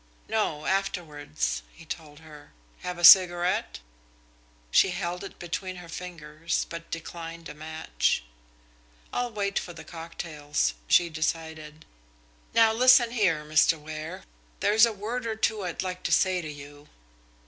"No, afterwards," he told her. "Have a cigarette?" She held it between her fingers but declined a match. "I'll wait for the cocktails," she decided. "Now listen here, Mr. Ware, there's a word or two I'd like to say to you."